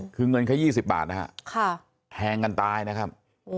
คือเงินแค่๒๐บาทนะฮะแทงกันตายนะครับ